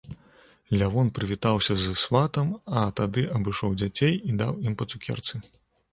Лявон прывітаўся з сватам, а тады абышоў дзяцей і даў ім па цукерцы.